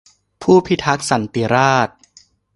ผู้พิทักษ์สันติราษฎร์